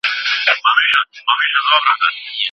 د کندهار نکلونه څنګه ماشومانو ته ویل کيږي؟